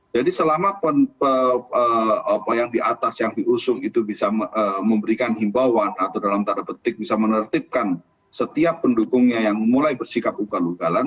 jadi selama yang di atas yang diusung itu bisa memberikan himbawan atau dalam tanda petik bisa menertibkan setiap pendukungnya yang mulai bersikap ugal ugalan